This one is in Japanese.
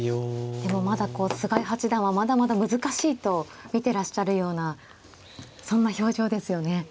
でもまだ菅井八段はまだまだ難しいと見てらっしゃるようなそんな表情ですよね。